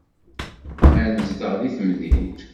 Ad nezdeɣ deg temdint.